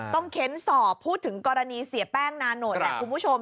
เค้นสอบพูดถึงกรณีเสียแป้งนานโหดแหละคุณผู้ชม